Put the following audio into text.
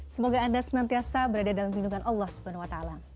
semoga anda senantiasa berada dalam lindungan allah swt